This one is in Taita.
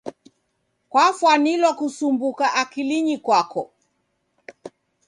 Kwafwanilwa kusumbuka akilinyi kwako.